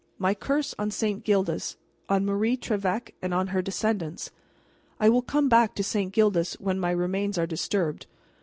My curse on St. Gildas, on Marie Trevec, and on her descendants. I will come back to St. Gildas when my remains are disturbed.